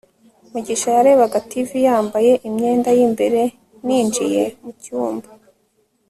mugisha yarebaga tv yambaye imyenda y'imbere ninjiye mucyumba